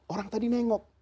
orang tadi nengok